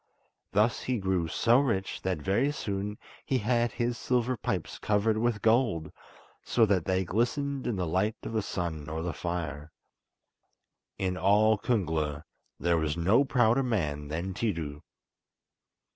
Thus he grew so rich that very soon he had his silver pipes covered with gold, so that they glistened in the light of the sun or the fire. In all Kungla there was no prouder man than Tiidu.